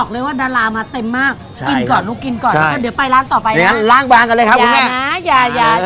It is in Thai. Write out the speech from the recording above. คุณแม่จ้ะ